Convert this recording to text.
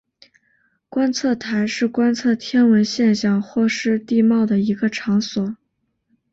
观测台是观测天文现象或是地貌的一个场所。